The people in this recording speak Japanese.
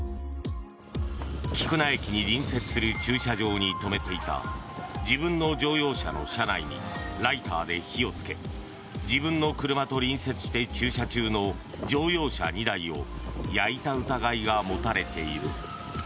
菊名駅に隣接する駐車場に止めていた自分の乗用車の車内にライターで火をつけ自分の車と隣接して駐車中の乗用車２台を焼いた疑いが持たれている。